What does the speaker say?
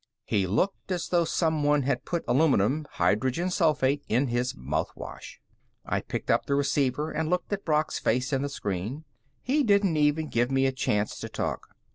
He looked as though someone had put aluminum hydrogen sulfate in his mouthwash. I picked up the receiver and looked at Brock's face in the screen. He didn't even give me a chance to talk.